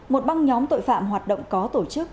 một băng nhóm tội phạm hoạt động có tổ chức